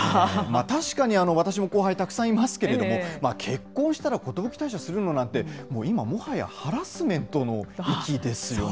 確かに、私も後輩たくさんいますけれども、結婚したら寿退社するの？なんて、もう今、もはやハラスメントの域ですよね。